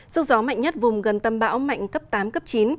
sức gió mạnh nhất vùng gần tâm bão mạnh cấp tám cấp chín